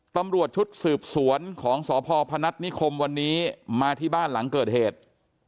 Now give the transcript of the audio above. ตำรวจชุดสืบสวนของสพพนัฐนิคมวันนี้มาที่บ้านหลังเกิดเหตุ